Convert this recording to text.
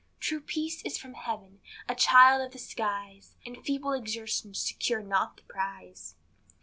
True peace is from Heaven a child of the skies, And feeble exertions secure not the prize.